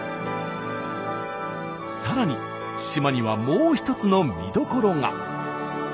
さらに島にはもう一つの見どころが。